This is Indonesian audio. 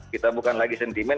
kita bukan lagi sentimen